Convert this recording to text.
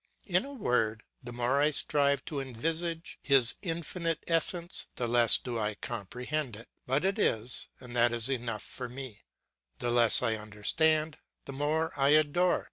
In a word: the more I strive to envisage his infinite essence the less do I comprehend it; but it is, and that is enough for me; the less I understand, the more I adore.